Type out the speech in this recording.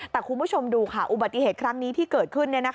แต่คุณผู้ชมดูค่ะอุบัติเหตุครั้งนี้ที่เกิดขึ้น